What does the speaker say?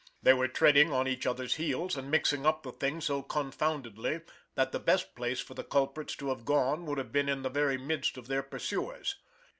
They were treading on each other's heels, and mixing up the thing so confoundedly, that the best place for the culprits to have gone would have been in the very midst of their pursuers.